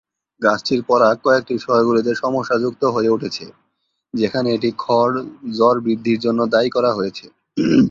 গাছটির পরাগ কয়েকটি শহরগুলিতে সমস্যাযুক্ত হয়ে উঠেছে যেখানে এটি খড় জ্বর বৃদ্ধির জন্য দায়ী করা হয়েছে।